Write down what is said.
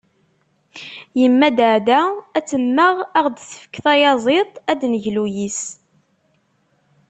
Yemma Daɛda ad temmeɣ ad aɣ-d-tefk tayaziḍt ad d-neglu yis-s.